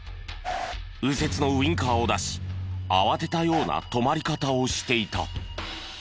右折のウィンカーを出し慌てたような止まり方をしていた。